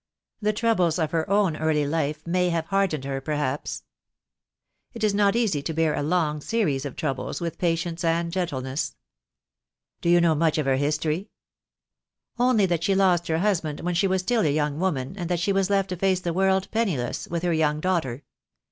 The troubles of her own early life may have hardened her, perhaps. It is not easy to bear a long series of troubles with patience and gentleness." 3O4 THE DAY WILL COME. "Do you know much of her history?" "Only that she lost her husband when she was still a young woman, and that she was left to face the world penniless with her young daughter.